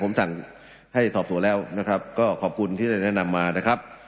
ผมสั่งให้สอบสวนแล้วนะครับก็ขอบคุณที่ได้แนะนำมานะครับ